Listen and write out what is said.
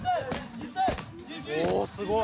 おすごい！